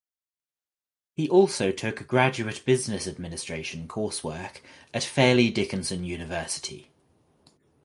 He also took graduate business administration course work at Fairleigh Dickinson University.